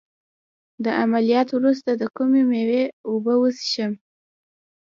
د عملیات وروسته د کومې میوې اوبه وڅښم؟